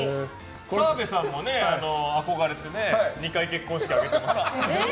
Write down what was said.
澤部さんも憧れて２回結婚式挙げてますよね。